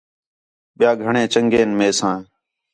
ٻِیا گھݨے چَنڳے ہِن میسان